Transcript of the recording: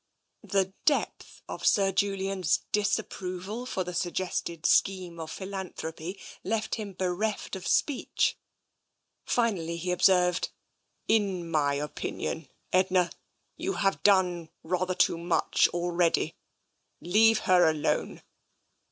The depth of Sir Julian's disapproval for the sug gested scheme of philanthropy left him bereft of speech. Finally he observed: " In my opinion, Edna, you have done rather too much already. Leave her alone."